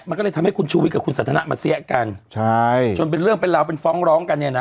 มันก็เลยทำให้คุณชูวิทกับคุณสันทนามาเสี้ยกันใช่จนเป็นเรื่องเป็นราวเป็นฟ้องร้องกันเนี่ยนะ